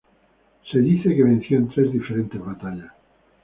Se dice que venció en tres diferentes batallas.